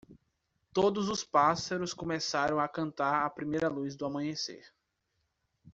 Todos os pássaros começaram a cantar à primeira luz do amanhecer.